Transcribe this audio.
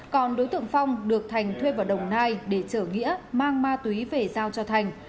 còn đối tượng phong được thành thuê vào đồng nai để chở nghĩa mang ma túy về giao cho thành